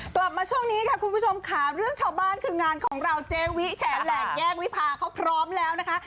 กลับมาช่วงนี้ค่ะคุณผู้ชมค่ะเรื่องชาวบ้านคืองานของเราเจวิแฉแหลกแยกวิพาเขาพร้อมแล้วนะคะ